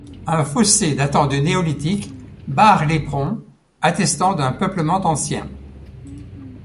Un fossé datant du néolithique barre l'éperon, attestant d'un peuplement ancien.